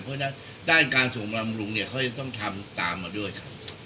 เพราะฉะนั้นด้านการส่งบำรุงเนี่ยเขาจะต้องทำตามมาด้วยครับ